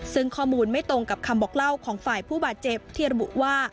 ซึ่งข้อมูลไม่ตรงกับคำบอกเล่าของฝ่ายผู้บาดเจ็บที่ระบุว่า